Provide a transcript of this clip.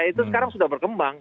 itu sekarang sudah berkembang